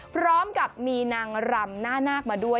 พร้อมกับมีนางรำหน้านาคมาด้วย